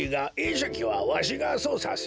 しゃきはわしがそうさする。